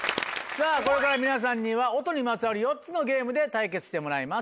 さぁこれから皆さんには音にまつわる４つのゲームで対決してもらいます。